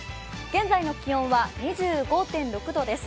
現在の気温は２５．６度です。